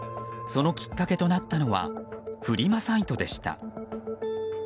そのきっかけとなったのはフリマサイトでした。